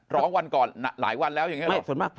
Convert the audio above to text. วันก่อนหลายวันแล้วอย่างนี้หรอ